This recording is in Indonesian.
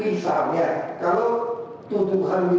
ini adalah ini